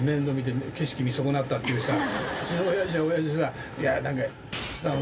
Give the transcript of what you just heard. うちのおやじはおやじでさなんか。